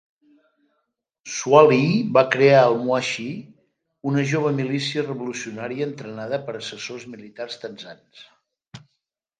Soilih va crear el "Moissy", una jove milícia revolucionària entrenada per assessors militars tanzans.